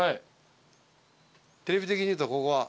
テレビ的にいうとここは。